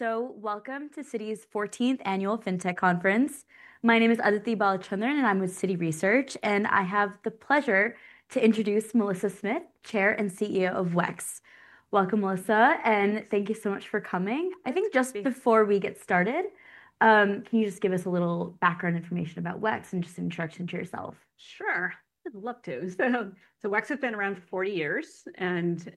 Welcome to Citi's 14th Annual FinTech Conference. My name is Aditi Balachandran, and I'm with Citi Research, and I have the pleasure to introduce Melissa Smith, Chair and CEO of WEX. Welcome, Melissa, and thank you so much for coming. I think just before we get started, can you just give us a little background information about WEX and just an introduction to yourself? Sure, I'd love to. WEX has been around for 40 years, and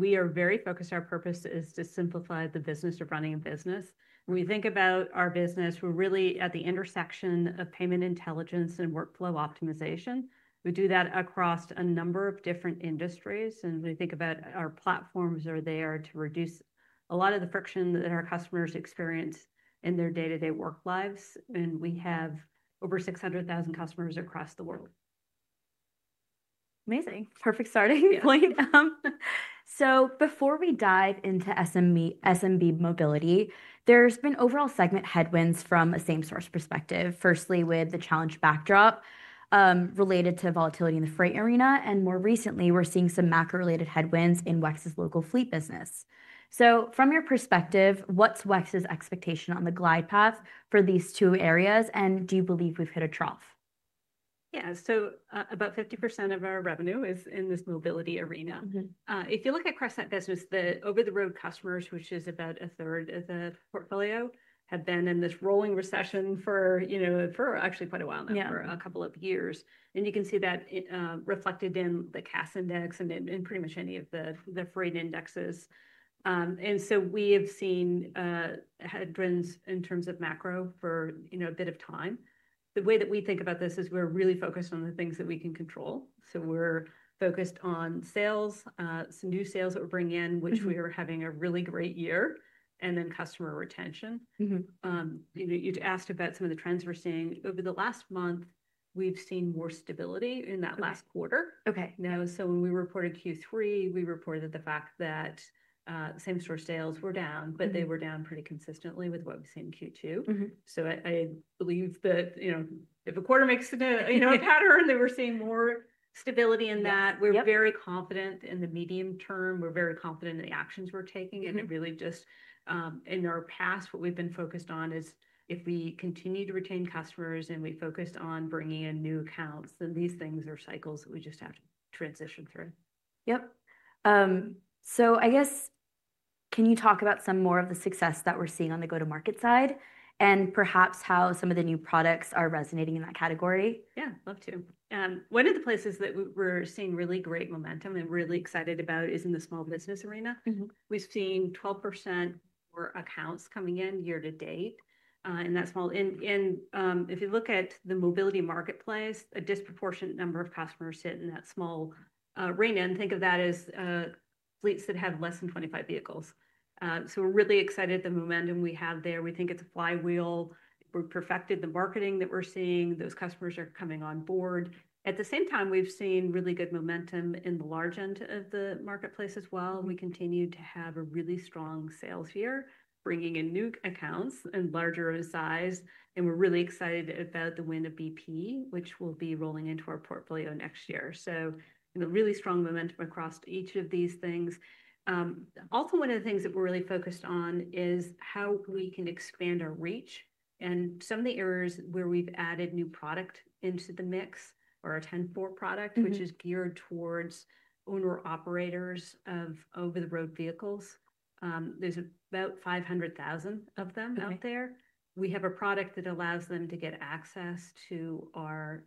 we are very focused. Our purpose is to simplify the business of running a business. When we think about our business, we're really at the intersection of payment intelligence and workflow optimization. We do that across a number of different industries, and we think about our platforms are there to reduce a lot of the friction that our customers experience in their day-to-day work lives. We have over 600,000 customers across the world. Amazing. Perfect starting point. Before we dive into SMB mobility, there's been overall segment headwinds from a Same-Store perspective, firstly with the challenge backdrop related to volatility in the freight arena, and more recently we're seeing some macro-related headwinds in WEX's local fleet business. From your perspective, what's WEX's expectation on the glide path for these two areas, and do you believe we've hit a trough? Yeah, so about 50% of our revenue is in this mobility arena. If you look at cross-site business, the over-the-road customers, which is about a third of the portfolio, have been in this rolling recession for, you know, for actually quite a while now, for a couple of years. You can see that reflected in the CAS index and in pretty much any of the freight indexes. We have seen headwinds in terms of macro for, you know, a bit of time. The way that we think about this is we're really focused on the things that we can control. We're focused on sales, some new sales that we're bringing in, which we are having a really great year, and then customer retention. You asked about some of the trends we're seeing. Over the last month, we've seen more stability in that last quarter. Okay. Now, when we reported Q3, we reported the fact that Same-Store sales were down, but they were down pretty consistently with what we've seen in Q2. I believe that, you know, if a quarter makes a pattern, we're seeing more stability in that. We're very confident in the medium term. We're very confident in the actions we're taking. It really just, in our past, what we've been focused on is if we continue to retain customers and we focus on bringing in new accounts, then these things are cycles that we just have to transition through. Yep. So I guess, can you talk about some more of the success that we're seeing on the go-to-market side and perhaps how some of the new products are resonating in that category? Yeah, I'd love to. One of the places that we're seeing really great momentum and really excited about is in the small business arena. We've seen 12% more accounts coming in year to date in that small. If you look at the mobility marketplace, a disproportionate number of customers sit in that small arena. Think of that as fleets that have less than 25 vehicles. We're really excited at the momentum we have there. We think it's a flywheel. We've perfected the marketing that we're seeing. Those customers are coming on board. At the same time, we've seen really good momentum in the large end of the marketplace as well. We continue to have a really strong sales year, bringing in new accounts and larger in size. We're really excited about the win of BP, which we'll be rolling into our portfolio next year. Really strong momentum across each of these things. Also, one of the things that we're really focused on is how we can expand our reach. Some of the areas where we've added new product into the mix are our 10-4 product, which is geared towards owner-operators of over-the-road vehicles. There are about 500,000 of them out there. We have a product that allows them to get access to our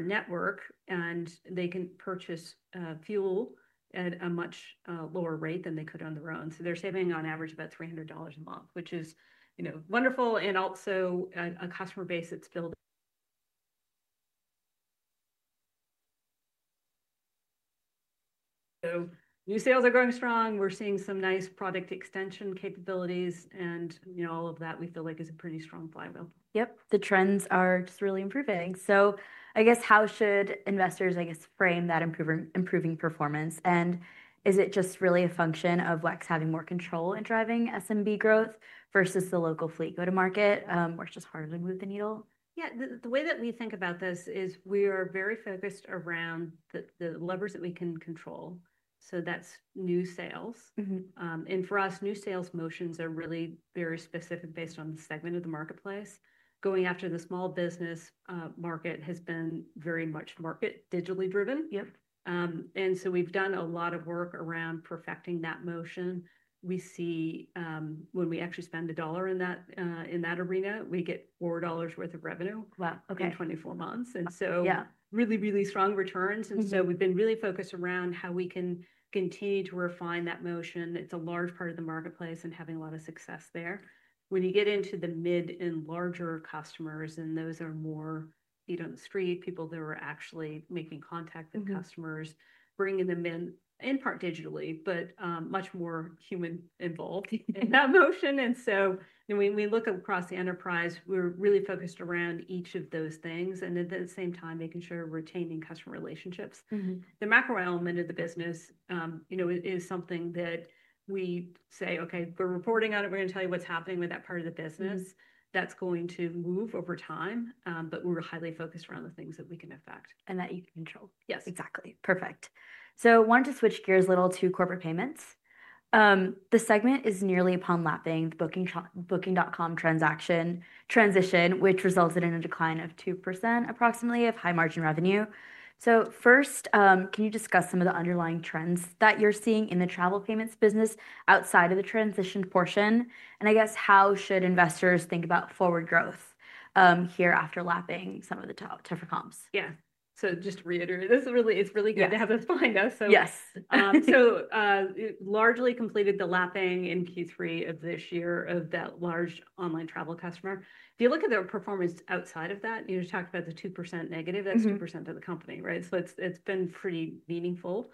network, and they can purchase fuel at a much lower rate than they could on their own. They're saving on average about $300 a month, which is, you know, wonderful and also a customer base that's built. New sales are going strong. We're seeing some nice product extension capabilities, and, you know, all of that we feel like is a pretty strong flywheel. Yep, the trends are just really improving. I guess how should investors, I guess, frame that improving performance? Is it just really a function of WEX having more control in driving SMB growth versus the local fleet go-to-market, where it's just harder to move the needle? Yeah, the way that we think about this is we are very focused around the levers that we can control. So that's new sales. And for us, new sales motions are really very specific based on the segment of the marketplace. Going after the small business market has been very much market digitally driven. Yep. We have done a lot of work around perfecting that motion. We see when we actually spend a dollar in that arena, we get $4 worth of revenue in 24 months. Really, really strong returns. We have been really focused around how we can continue to refine that motion. It is a large part of the marketplace and having a lot of success there. When you get into the mid and larger customers, those are more feet on the street, people that are actually making contact with customers, bringing them in, in part digitally, but much more human involved in that motion. When we look across the enterprise, we are really focused around each of those things and at the same time making sure we are retaining customer relationships. The macro element of the business, you know, is something that we say, okay, we're reporting on it. We're going to tell you what's happening with that part of the business that's going to move over time. But we're highly focused around the things that we can affect. That you can control. Yes. Exactly. Perfect. I wanted to switch gears a little to corporate payments. The segment is nearly upon lapping the Booking.com transition, which resulted in a decline of 2% approximately of high-margin revenue. First, can you discuss some of the underlying trends that you're seeing in the travel payments business outside of the transition portion? I guess how should investors think about forward growth here after lapping some of the top TEFRA comps? Yeah. So just to reiterate, this is really, it's really good to have this behind us. Yes. Largely completed the lapping in Q3 of this year of that large online travel customer. If you look at their performance outside of that, you just talked about the 2% negative, that's 2% of the company, right? It's been pretty meaningful.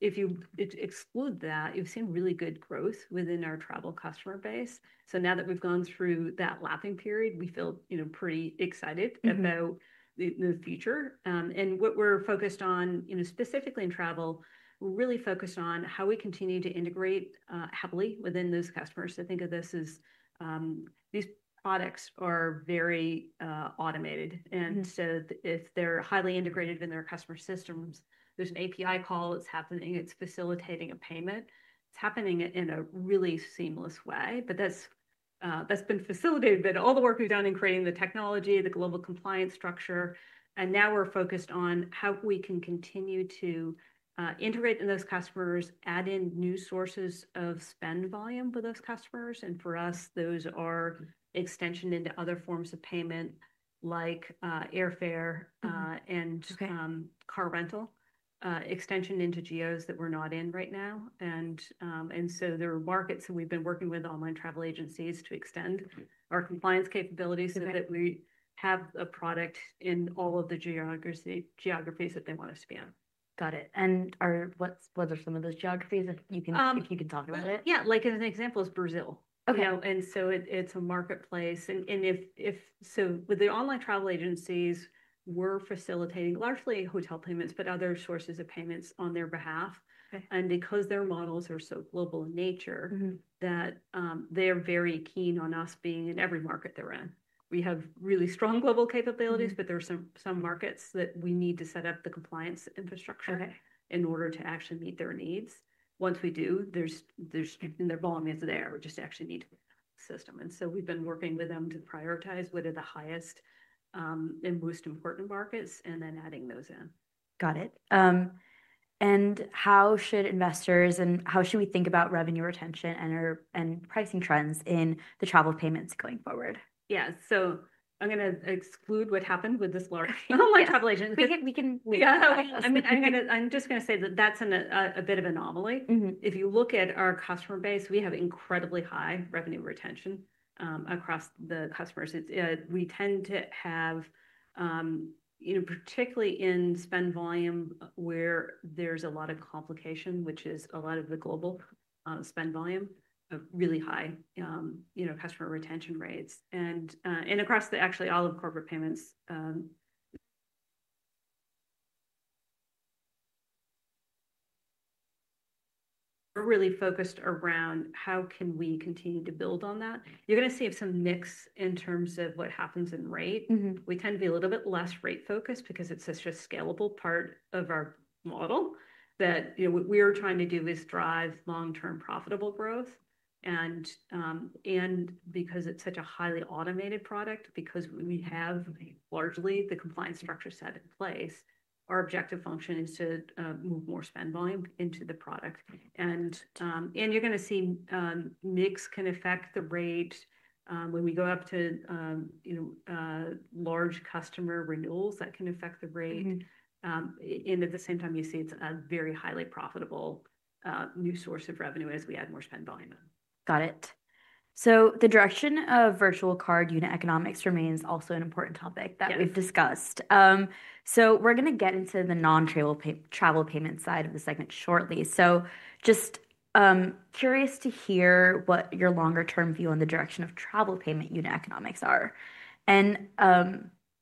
If you exclude that, you've seen really good growth within our travel customer base. Now that we've gone through that lapping period, we feel, you know, pretty excited about the future. What we're focused on, you know, specifically in travel, we're really focused on how we continue to integrate heavily within those customers. I think of this as these products are very automated. If they're highly integrated in their customer systems, there's an API call that's happening. It's facilitating a payment. It's happening in a really seamless way. That has been facilitated by all the work we've done in creating the technology, the global compliance structure. Now we're focused on how we can continue to integrate in those customers, add in new sources of spend volume for those customers. For us, those are extension into other forms of payment like airfare and car rental, extension into geos that we're not in right now. There are markets that we've been working with online travel agencies to extend our compliance capabilities so that we have a product in all of the geographies that they want us to be in. Got it. What are some of those geographies? If you can talk about it. Yeah, like an example is Brazil. It's a marketplace. With the online travel agencies, we're facilitating largely hotel payments, but other sources of payments on their behalf. Because their models are so global in nature, they are very keen on us being in every market they're in. We have really strong global capabilities, but there are some markets that we need to set up the compliance infrastructure in order to actually meet their needs. Once we do, their volume is there. We just actually need to system. We've been working with them to prioritize what are the highest and most important markets and then adding those in. Got it. How should investors and how should we think about revenue retention and pricing trends in the travel payments going forward? Yeah, so I'm going to exclude what happened with this large online travel agent. We can. I'm just going to say that that's a bit of an anomaly. If you look at our customer base, we have incredibly high revenue retention across the customers. We tend to have, you know, particularly in spend volume where there's a lot of complication, which is a lot of the global spend volume, really high, you know, customer retention rates. Across actually all of corporate payments, we're really focused around how can we continue to build on that. You're going to see some mix in terms of what happens in rate. We tend to be a little bit less rate focused because it's such a scalable part of our model that what we are trying to do is drive long-term profitable growth. Because it is such a highly automated product, because we have largely the compliance structure set in place, our objective function is to move more spend volume into the product. You are going to see mix can affect the rate when we go up to large customer renewals that can affect the rate. At the same time, you see it is a very highly profitable new source of revenue as we add more spend volume in. Got it. The direction of virtual card unit economics remains also an important topic that we've discussed. We're going to get into the non-travel payment side of the segment shortly. Just curious to hear what your longer-term view on the direction of travel payment unit economics are.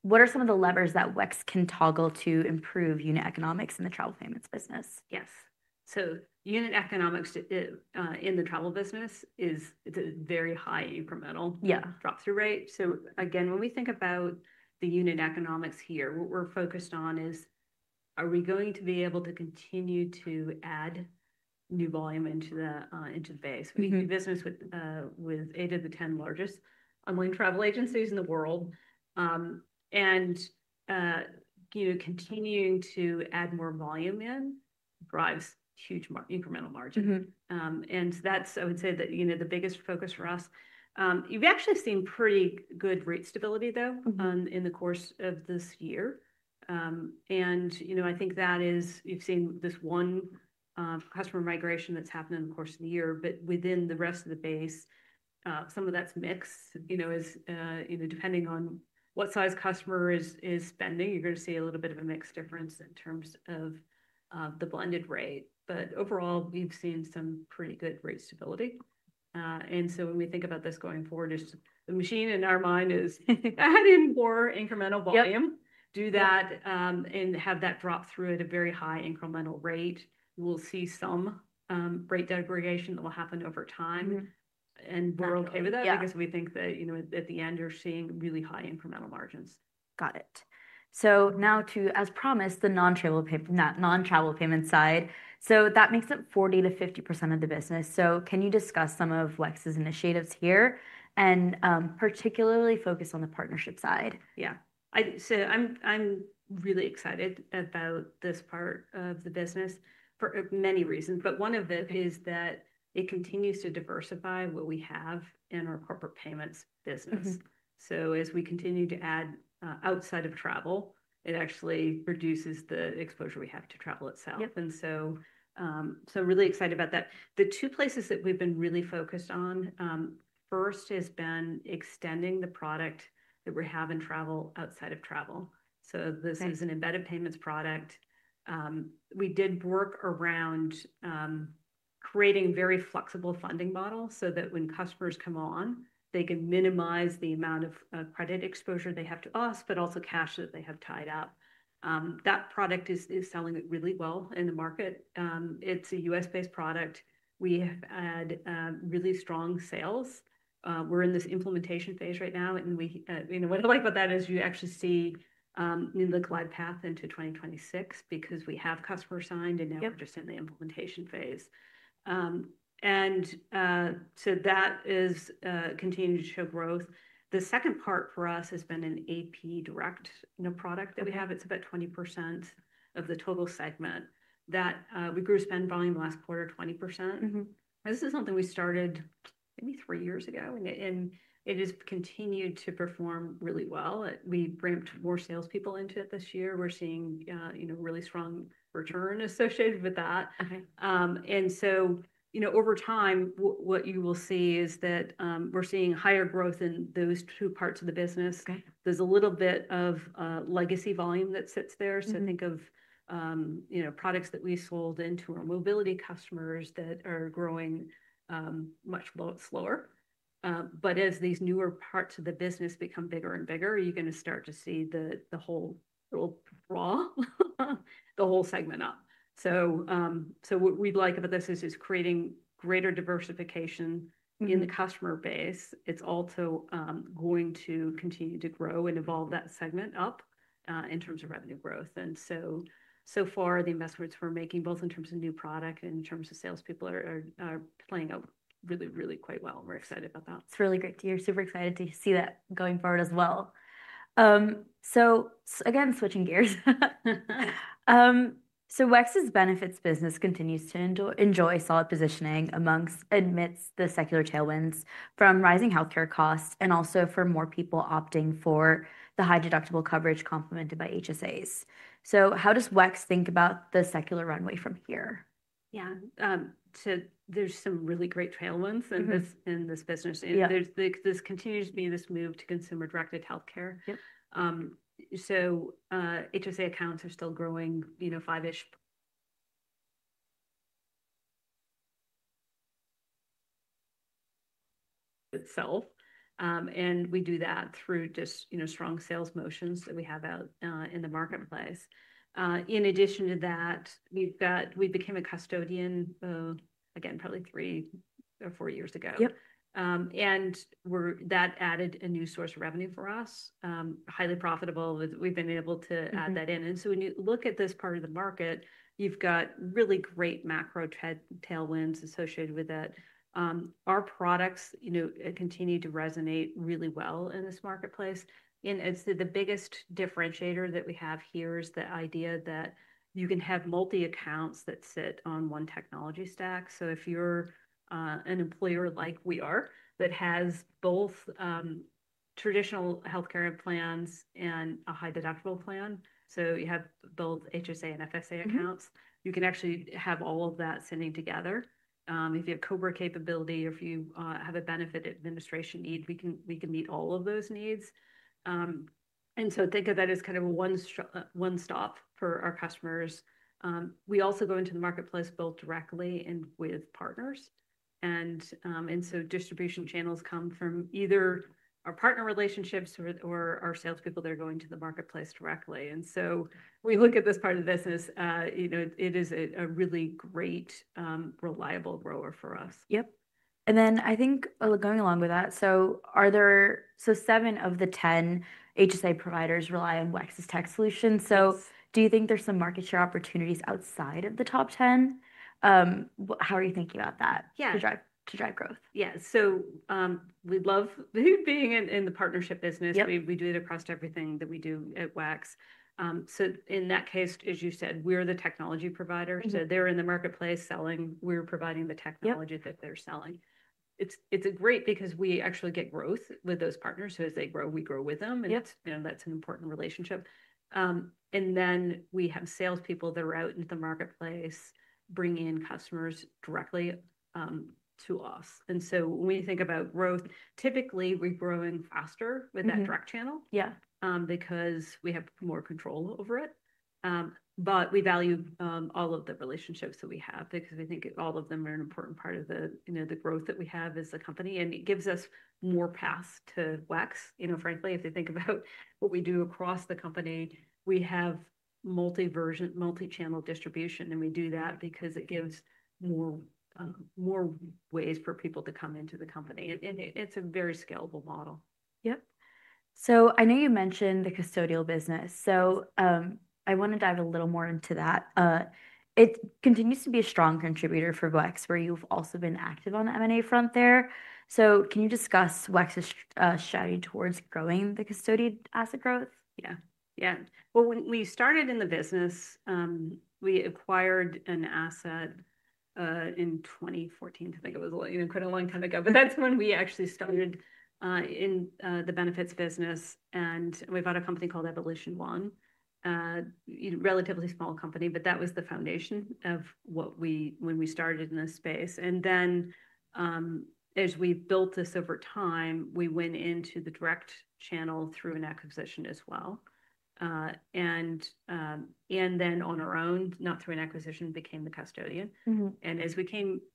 What are some of the levers that WEX can toggle to improve unit economics in the travel payments business? Yes. Unit economics in the travel business is a very high incremental drop-through rate. Again, when we think about the unit economics here, what we're focused on is are we going to be able to continue to add new volume into the base? We do business with eight of the 10 largest online travel agencies in the world. Continuing to add more volume in drives huge incremental margin. That's, I would say that, you know, the biggest focus for us. We've actually seen pretty good rate stability, though, in the course of this year. You know, I think that is, you've seen this one customer migration that's happened in the course of the year. Within the rest of the base, some of that's mixed, you know, depending on what size customer is spending, you're going to see a little bit of a mixed difference in terms of the blended rate. Overall, we've seen some pretty good rate stability. When we think about this going forward, the machine in our mind is add in more incremental volume, do that, and have that drop through at a very high incremental rate. We'll see some rate degradation that will happen over time. We're okay with that because we think that, you know, at the end, you're seeing really high incremental margins. Got it. Now to, as promised, the non-travel payment side. That makes it 40-50% of the business. Can you discuss some of WEX's initiatives here and particularly focus on the partnership side? Yeah. I'm really excited about this part of the business for many reasons. One of them is that it continues to diversify what we have in our corporate payments business. As we continue to add outside of travel, it actually reduces the exposure we have to travel itself. I'm really excited about that. The two places that we've been really focused on, first has been extending the product that we have in travel outside of travel. This is an embedded payments product. We did work around creating a very flexible funding model so that when customers come on, they can minimize the amount of credit exposure they have to us, but also cash that they have tied up. That product is selling really well in the market. It's a U.S.-based product. We have had really strong sales. We're in this implementation phase right now. What I like about that is you actually see in the glide path into 2026 because we have customers signed and now we're just in the implementation phase. That is continuing to show growth. The second part for us has been an AP Direct product that we have. It's about 20% of the total segment that we grew spend volume last quarter, 20%. This is something we started maybe three years ago, and it has continued to perform really well. We bring more salespeople into it this year. We're seeing, you know, really strong return associated with that. Over time, what you will see is that we're seeing higher growth in those two parts of the business. There's a little bit of legacy volume that sits there. Think of, you know, products that we sold into our mobility customers that are growing much slower. But as these newer parts of the business become bigger and bigger, you're going to start to see the whole, the whole segment up. What we like about this is creating greater diversification in the customer base. It's also going to continue to grow and evolve that segment up in terms of revenue growth. So far, the investments we're making, both in terms of new product and in terms of salespeople, are playing out really, really quite well. We're excited about that. It's really great to hear. Super excited to see that going forward as well. Again, switching gears. WEX's benefits business continues to enjoy solid positioning amidst the secular tailwinds from rising healthcare costs and also for more people opting for the high deductible coverage complemented by HSAs. How does WEX think about the secular runway from here? Yeah. There's some really great tailwinds in this business. This continues to be this move to consumer-directed healthcare. So HSA accounts are still growing, you know, five-ish itself. And we do that through just, you know, strong sales motions that we have out in the marketplace. In addition to that, we've become a custodian, again, probably three or four years ago. That added a new source of revenue for us, highly profitable. We've been able to add that in. When you look at this part of the market, you've got really great macro tailwinds associated with that. Our products, you know, continue to resonate really well in this marketplace. The biggest differentiator that we have here is the idea that you can have multi-accounts that sit on one technology stack. If you're an employer like we are that has both traditional healthcare plans and a high deductible plan, so you have both HSA and FSA accounts, you can actually have all of that sitting together. If you have COBRA capability or if you have a benefit administration need, we can meet all of those needs. Think of that as kind of a one-stop for our customers. We also go into the marketplace both directly and with partners. Distribution channels come from either our partner relationships or our salespeople that are going to the marketplace directly. We look at this part of the business, you know, it is a really great, reliable grower for us. Yep. And then I think going along with that, are there, so 7 of the 10 HSA providers rely on WEX's tech solutions. Do you think there's some market share opportunities outside of the top 10? How are you thinking about that to drive growth? Yeah. We love being in the partnership business. We do it across everything that we do at WEX. In that case, as you said, we're the technology provider. They're in the marketplace selling. We're providing the technology that they're selling. It's great because we actually get growth with those partners. As they grow, we grow with them. That is an important relationship. We have salespeople that are out in the marketplace bringing in customers directly to us. When we think about growth, typically we're growing faster with that direct channel because we have more control over it. We value all of the relationships that we have because we think all of them are an important part of the growth that we have as a company. It gives us more paths to WEX. You know, frankly, if you think about what we do across the company, we have multi-channel distribution. We do that because it gives more ways for people to come into the company. It is a very scalable model. Yep. I know you mentioned the custodial business. I want to dive a little more into that. It continues to be a strong contributor for WEX, where you've also been active on the M&A front there. Can you discuss WEX's strategy towards growing the custodied asset growth? Yeah. Yeah. When we started in the business, we acquired an asset in 2014. I think it was quite a long time ago. That is when we actually started in the benefits business. We bought a company called Evolution One. Relatively small company, but that was the foundation of when we started in this space. As we built this over time, we went into the direct channel through an acquisition as well. On our own, not through an acquisition, we became the custodian. As we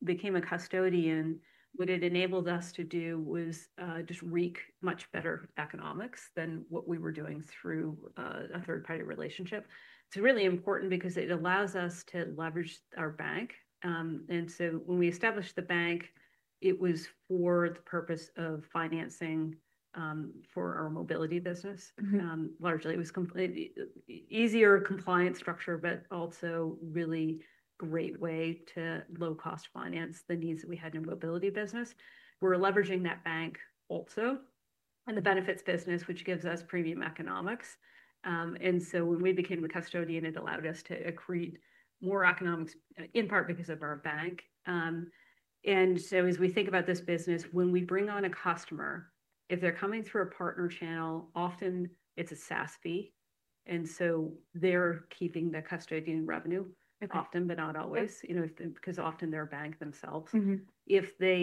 became a custodian, what it enabled us to do was just reach much better economics than what we were doing through a third-party relationship. It is really important because it allows us to leverage our bank. When we established the bank, it was for the purpose of financing for our mobility business. Largely, it was easier compliance structure, but also a really great way to low-cost finance the needs that we had in the mobility business. We’re leveraging that bank also in the benefits business, which gives us premium economics. When we became the custodian, it allowed us to accrete more economics, in part because of our bank. As we think about this business, when we bring on a customer, if they’re coming through a partner channel, often it’s a SaaS fee. They’re keeping the custodian revenue often, but not always, you know, because often they’re a bank themselves. If they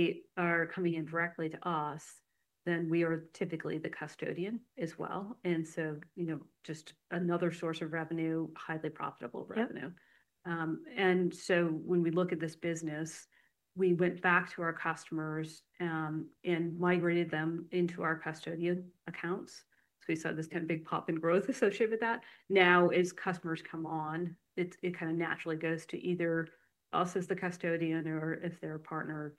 are coming in directly to us, then we are typically the custodian as well. You know, just another source of revenue, highly profitable revenue. When we look at this business, we went back to our customers and migrated them into our custodian accounts. We saw this kind of big pop in growth associated with that. Now, as customers come on, it kind of naturally goes to either us as the custodian or, if they're a partner,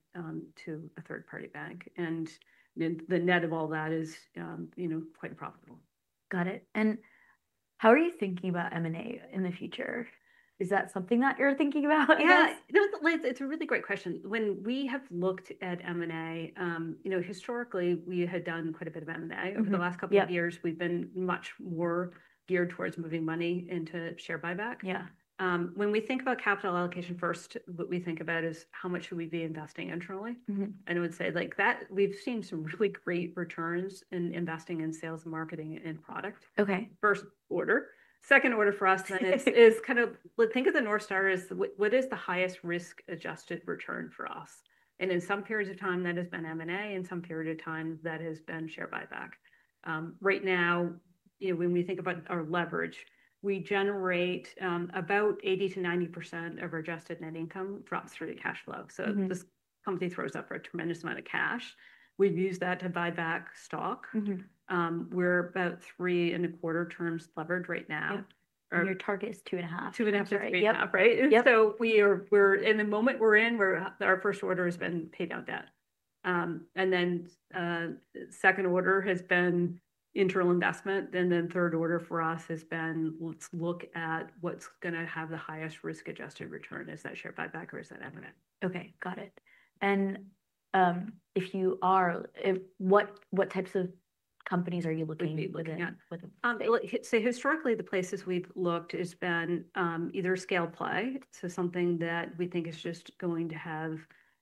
to a third-party bank. The net of all that is, you know, quite profitable. Got it. How are you thinking about M&A in the future? Is that something that you're thinking about? Yeah. It's a really great question. When we have looked at M&A, you know, historically, we had done quite a bit of M&A over the last couple of years. We've been much more geared towards moving money into share buyback. Yeah. When we think about capital allocation first, what we think about is how much should we be investing internally. And I would say like that we've seen some really great returns in investing in sales, marketing, and product. First order. Second order for us then is kind of think of the North Star as what is the highest risk-adjusted return for us. In some periods of time, that has been M&A. In some period of time, that has been share buyback. Right now, you know, when we think about our leverage, we generate about 80-90% of our adjusted net income drops through the cash flow. This company throws up a tremendous amount of cash. We've used that to buy back stock. We're about three and a quarter times leverage right now. Your target is two and a half. Two and a half to three. Yep. Right. In the moment we're in, our first order has been pay down debt. The second order has been internal investment. The third order for us has been, let's look at what's going to have the highest risk-adjusted return. Is that share buyback or is that M&A? Okay. Got it. If you are, what types of companies are you looking with? Historically, the places we've looked has been either scale play. Something that we think is just going to have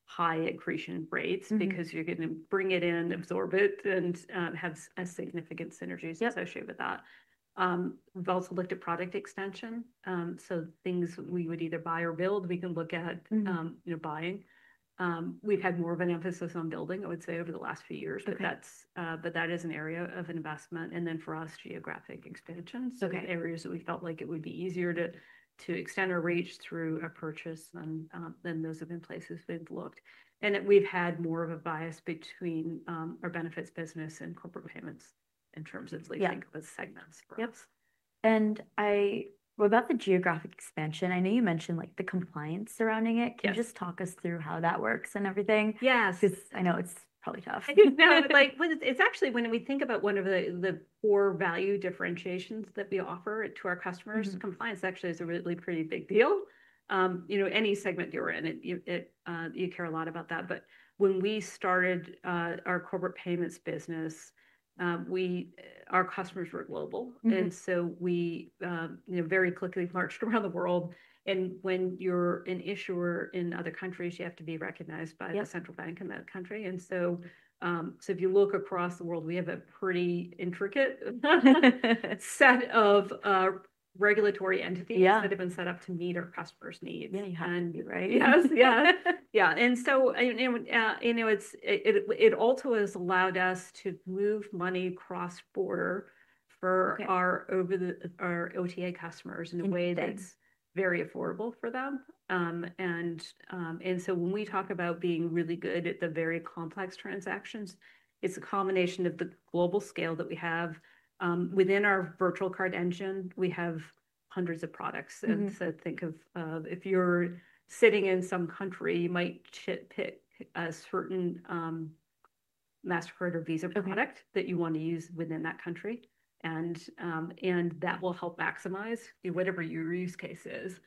high accretion rates because you're going to bring it in, absorb it, and have significant synergies associated with that. We've also looked at product extension. Things we would either buy or build, we can look at buying. We've had more of an emphasis on building, I would say, over the last few years. That is an area of investment. For us, geographic expansion. Areas that we felt like it would be easier to extend our reach through a purchase, those have been places we've looked. We've had more of a bias between our benefits business and corporate payments in terms of leasing segments. Yep. About the geographic expansion, I know you mentioned the compliance surrounding it. Can you just talk us through how that works and everything? Yes. Because I know it's probably tough. No, it's actually when we think about one of the core value differentiations that we offer to our customers, compliance actually is a really pretty big deal. You know, any segment you're in, you care a lot about that. When we started our corporate payments business, our customers were global. You very quickly marched around the world. When you're an issuer in other countries, you have to be recognized by the central bank in that country. If you look across the world, we have a pretty intricate set of regulatory entities that have been set up to meet our customers' needs. Yeah. Right? Yes. Yeah. Yeah. You know, it also has allowed us to move money cross-border for our OTA customers in a way that's very affordable for them. When we talk about being really good at the very complex transactions, it's a combination of the global scale that we have. Within our virtual card engine, we have hundreds of products. Think of if you're sitting in some country, you might pick a certain Mastercard or Visa product that you want to use within that country. That will help maximize whatever your use case is.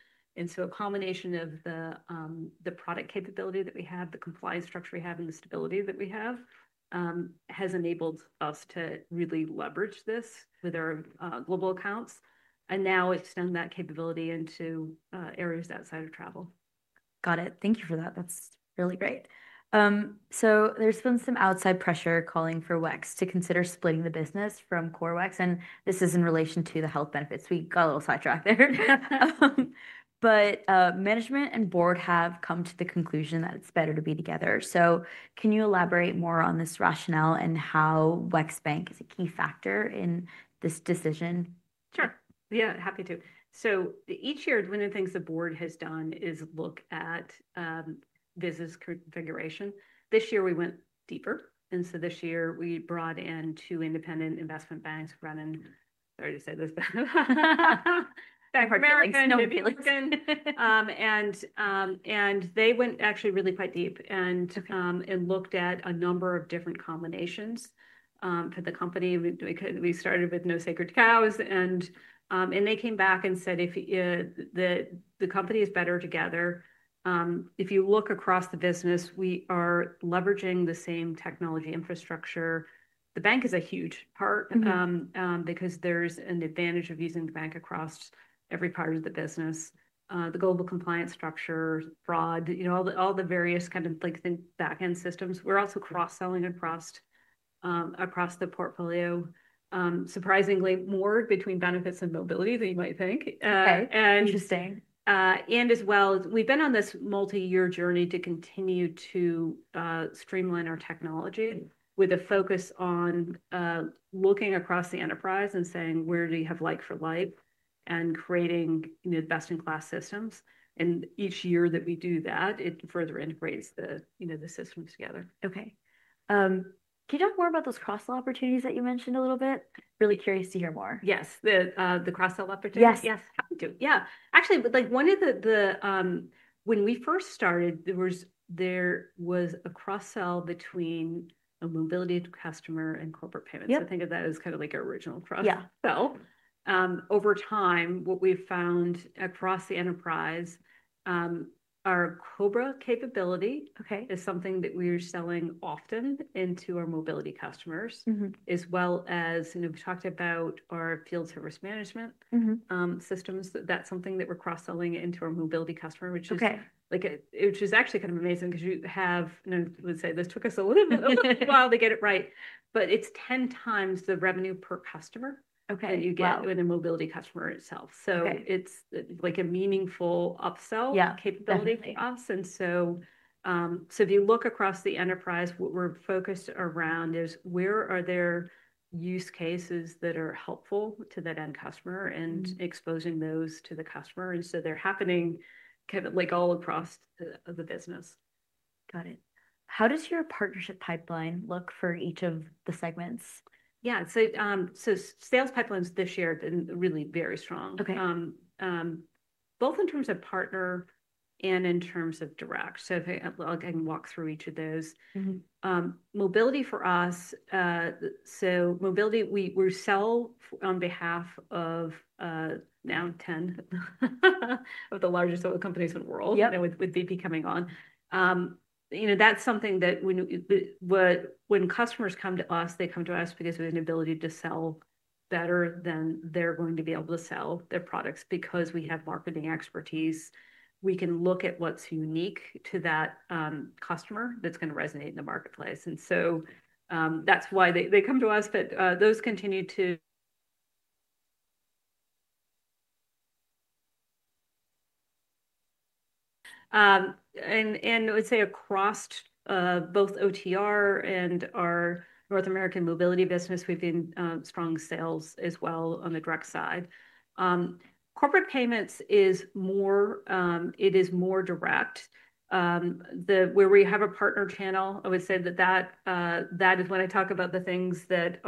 A combination of the product capability that we have, the compliance structure we have, and the stability that we have has enabled us to really leverage this with our global accounts and now extend that capability into areas outside of travel. Got it. Thank you for that. That's really great. There has been some outside pressure calling for WEX to consider splitting the business from CoreWex. This is in relation to the health benefits. We got a little sidetracked there. Management and board have come to the conclusion that it is better to be together. Can you elaborate more on this rationale and how WEX Bank is a key factor in this decision? Sure. Yeah, happy to. Each year, one of the things the board has done is look at business configuration. This year, we went deeper. This year, we brought in two independent investment banks, running, sorry to say this, Bank of America, Houlihan Lokey. They went actually really quite deep and looked at a number of different combinations for the company. We started with no sacred cows. They came back and said the company is better together. If you look across the business, we are leveraging the same technology infrastructure. The bank is a huge part because there is an advantage of using the bank across every part of the business. The global compliance structure, fraud, you know, all the various kind of backend systems. We are also cross-selling across the portfolio. Surprisingly, more between benefits and mobility than you might think. Interesting. We've been on this multi-year journey to continue to streamline our technology with a focus on looking across the enterprise and saying, where do you have like for like and creating the best-in-class systems. Each year that we do that, it further integrates the systems together. Okay. Can you talk more about those cross-sell opportunities that you mentioned a little bit? Really curious to hear more. Yes. The cross-sell opportunities? Yes. Yeah. Actually, like one of the, when we first started, there was a cross-sell between a mobility customer and corporate payments. I think of that as kind of like our original cross-sell. Over time, what we've found across the enterprise, our COBRA capability is something that we are selling often into our mobility customers, as well as we've talked about our field service management systems. That's something that we're cross-selling into our mobility customer, which is actually kind of amazing because you have, I would say, this took us a little bit of a while to get it right, but it's 10 times the revenue per customer that you get with a mobility customer itself. It is like a meaningful upsell capability for us. If you look across the enterprise, what we're focused around is where are there use cases that are helpful to that end customer and exposing those to the customer. They're happening kind of like all across the business. Got it. How does your partnership pipeline look for each of the segments? Yeah. Sales pipelines this year have been really very strong, both in terms of partner and in terms of direct. I can walk through each of those. Mobility for us, mobility, we sell on behalf of now 10 of the largest oil companies in the world with BP coming on. You know, that's something that when customers come to us, they come to us because of an ability to sell better than they're going to be able to sell their products because we have marketing expertise. We can look at what's unique to that customer that's going to resonate in the marketplace. That's why they come to us, but those continue to. I would say across both OTR and our North American mobility business, we've been strong sales as well on the direct side. Corporate payments is more direct where we have a partner channel. I would say that that is when I talk about the things that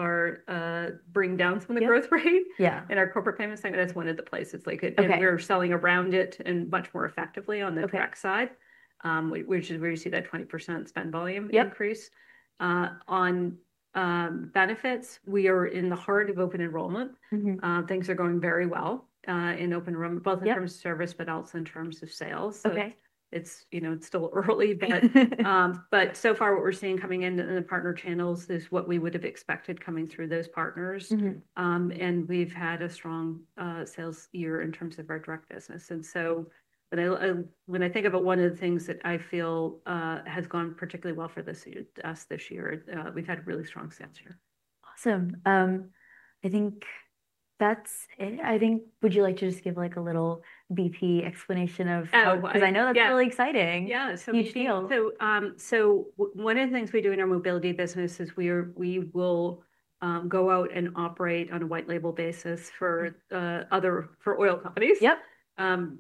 bring down some of the growth rate in our corporate payments. That's one of the places like we're selling around it and much more effectively on the direct side, which is where you see that 20% spend volume increase. On benefits, we are in the heart of open enrollment. Things are going very well in open enrollment, both in terms of service, but also in terms of sales. It's still early, but so far what we're seeing coming in in the partner channels is what we would have expected coming through those partners. We've had a strong sales year in terms of our direct business. When I think about one of the things that I feel has gone particularly well for us this year, we've had a really strong sales year. Awesome. I think that's it. I think would you like to just give like a little BP explanation of. Because I know that's really exciting. Yeah. One of the things we do in our mobility business is we will go out and operate on a white label basis for oil companies.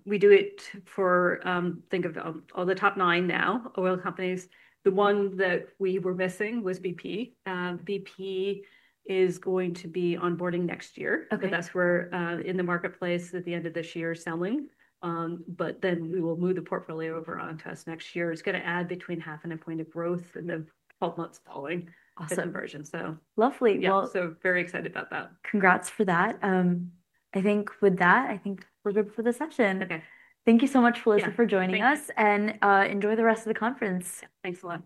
We do it for, think of all the top nine now oil companies. The one that we were missing was BP. BP is going to be onboarding next year. That is where in the marketplace at the end of this year selling. We will move the portfolio over onto us next year. It is going to add between half and a point of growth in the 12 months following the conversion. Lovely. Very excited about that. Congrats for that. I think with that, I think we're good for the session. Thank you so much, Melissa, for joining us. Enjoy the rest of the conference. Thanks a lot.